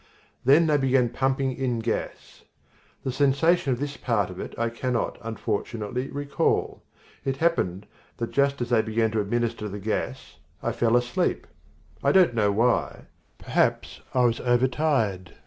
Then they began pumping in gas. The sensation of this part of it I cannot, unfortunately, recall. It happened that just as they began to administer the gas, I fell asleep. I don't quite know why. Perhaps I was overtired.